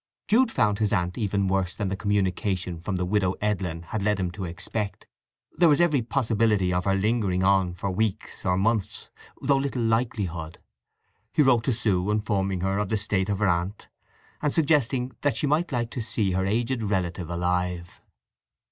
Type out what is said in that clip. Jude found his aunt even worse than the communication from the Widow Edlin had led him to expect. There was every possibility of her lingering on for weeks or months, though little likelihood. He wrote to Sue informing her of the state of her aunt, and suggesting that she might like to see her aged relative alive.